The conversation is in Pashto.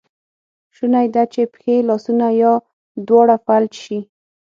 شونی ده چې پښې، لاسونه یا دواړه فلج شي.